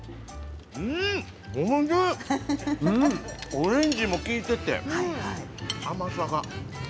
オレンジも利いていて甘さが。